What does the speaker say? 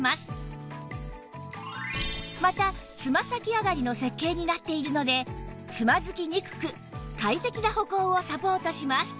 またつま先上がりの設計になっているのでつまずきにくく快適な歩行をサポートします